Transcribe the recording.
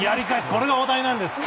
これが大谷なんです！